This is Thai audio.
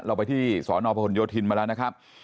เราไปที่สอนอพหลโยธินมาแล้วนะครับ